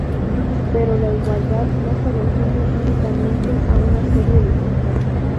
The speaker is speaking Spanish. Pero la igualdad no se resume únicamente a una serie de cifras.